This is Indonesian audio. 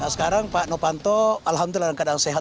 sekarang pak novanto alhamdulillah dalam keadaan sehat